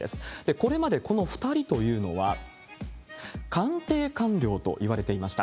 これまでこの２人というのは、官邸官僚といわれていました。